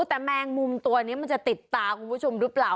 แต่แมงมุมตัวนี้มันจะติดตาคุณผู้ชมหรือเปล่า